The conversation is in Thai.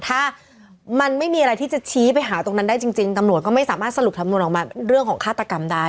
ถ้ามันไม่มีอะไรที่จะชี้ไปหาตรงนั้นได้จริงตำรวจก็ไม่สามารถสรุปสำนวนออกมาเรื่องของฆาตกรรมได้